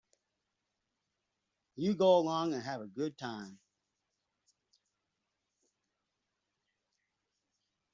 You go along and have a good time.